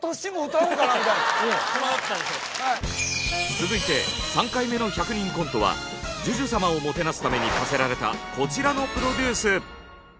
続いて３回目の１００人コントはＪＵＪＵ様をもてなすために課せられたこちらのプロデュース。